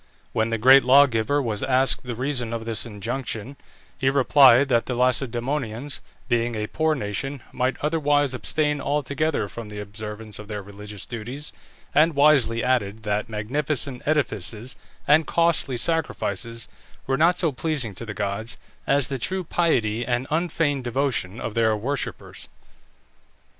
When the great lawgiver was asked the reason of this injunction, he replied that the Lacedæmonians, being a poor nation, might otherwise abstain altogether from the observance of their religious duties, and wisely added that magnificent edifices and costly sacrifices were not so pleasing to the gods, as the true piety and unfeigned devotion of their worshippers.